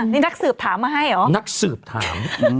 นี่นักสืบถามมาให้เหรอ